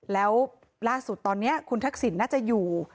แล้วล่าสุดตอนนี้คุณทักษิณน่าจะอยู่